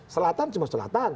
selatan cuma selatan